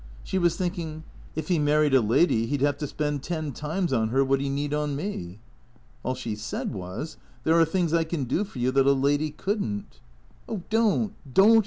She was thinking, " If he married a lady he 'd have to spend ten times on her what he need on me." All she said was, " There are things I can do for you that a lady could n't." " Oh — don't — don't